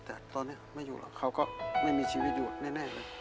แต่ตอนนี้เขาไม่อยู่หรอกเขาก็ไม่มีชีวิตอยู่แน่เลย